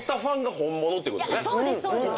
そうですそうです！